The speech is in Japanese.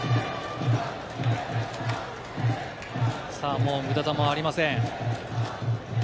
もう無駄球はありません。